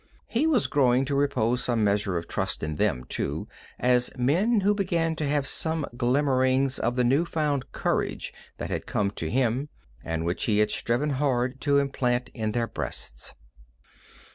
He was growing to repose some measure of trust in them, too, as men who began to have some glimmerings of the new found courage that had come to him, and which he had striven hard to implant in their breasts.